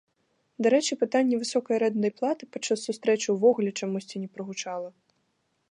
Дарэчы, пытанне высокай арэнднай платы падчас сустрэчы ўвогуле чамусьці не прагучала.